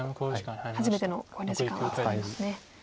初めての考慮時間を使いますね。